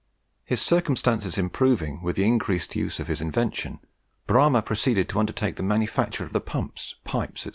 His circumstances improving with the increased use of his invention, Bramah proceeded to undertake the manufacture of the pumps, pipes, &c.